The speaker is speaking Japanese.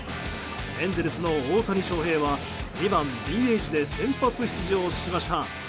エンゼルスの大谷翔平は２番ＤＨで先発出場しました。